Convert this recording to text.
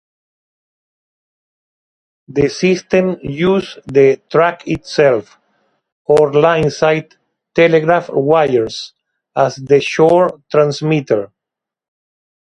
The system used the track itself, or lineside telegraph wires, as the "shore" transmitter.